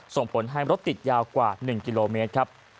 ส่งผลให้รถติดยาวกว่า๑กิโลเมตรครับ